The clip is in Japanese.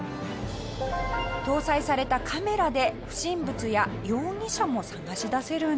搭載されたカメラで不審物や容疑者も探し出せるんです。